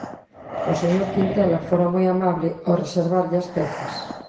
O señor Quintela fora moi amable ao reservarlle as pezas.